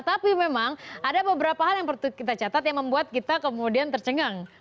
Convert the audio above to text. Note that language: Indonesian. tapi memang ada beberapa hal yang perlu kita catat yang membuat kita kemudian tercengang